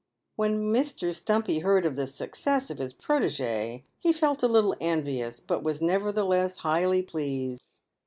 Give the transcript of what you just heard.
"When Mr. Stumpy heard of the success of his protege, he felt a little envious, but was nevertheless highly pleased.